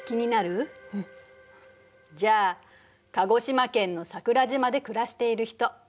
じゃあ鹿児島県の桜島で暮らしている人。